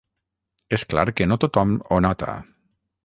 És clar que no tothom ho nota.